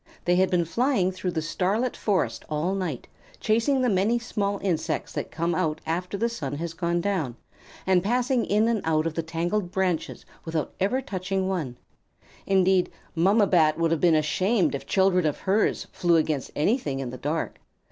They had been flying through the starlit forest all night, chasing the many small insects that come out after the sun has gone down, and passing in and out of the tangled branches without ever touching one. Indeed, Mamma Bat would have been ashamed if children of hers flew against anything in the dark.